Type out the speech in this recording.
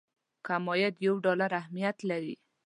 کم عاید یو ډالر اهميت لري.